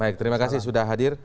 baik terima kasih sudah hadir